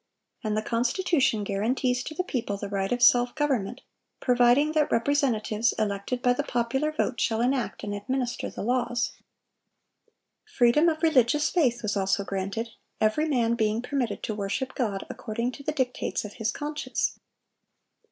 And the Constitution guarantees to the people the right of self government, providing that representatives elected by the popular vote shall enact and administer the laws. Freedom of religious faith was also granted, every man being permitted to worship God according to the dictates of his conscience.